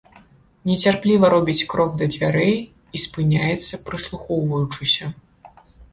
Нецярпліва робіць крок да дзвярэй і спыняецца, прыслухоўваючыся.